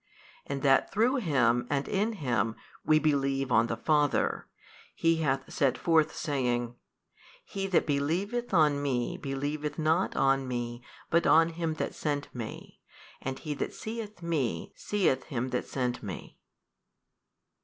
And that through Him and in Him we believe on the Father, He hath set forth saying, He that believeth on Me believeth not on Me but on Him That sent Me and he that seeth Me seeth Him that sent Me.